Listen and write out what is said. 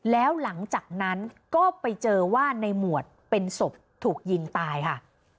แล้วหลังจากนั้นก็ไปเจอว่าในหมวดเป็นศพถูกยิงตายค่ะ